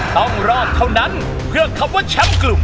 ต้องรอดเท่านั้นเพื่อคำว่าแชมป์กลุ่ม